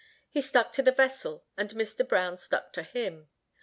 He stuck to the vessel, and Mr. Brown stuck to him.